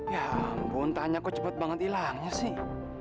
ya ampun tanya kok cepet banget hilangnya sih